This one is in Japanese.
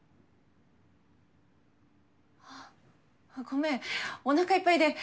あっごめんおなかいっぱいで。